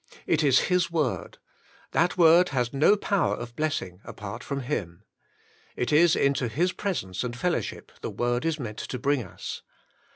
It is His Word; that Word has no power of blessing apart from Him. It is into His presence and fel lowship the Word is meant to bring us.